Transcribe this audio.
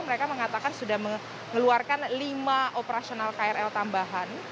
mereka mengatakan sudah mengeluarkan lima operasional krl tambahan